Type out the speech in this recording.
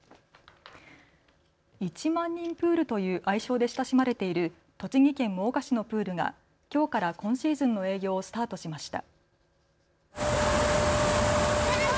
一万人プールという愛称で親しまれている栃木県真岡市のプールがきょうから今シーズンの営業をスタートしました。